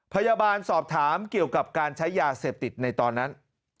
พยาบาลสอบถามเกี่ยวกับการใช้ยาเสพติดในตอนนั้น